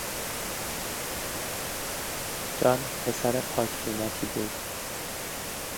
جان پسر پاک طینتی بود.